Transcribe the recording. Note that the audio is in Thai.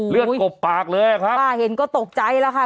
เลือดกบปากเลยครับอุ้ยป้าเห็นก็ตกใจแล้วค่ะ